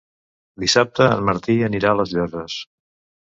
Dissabte en Martí anirà a les Llosses.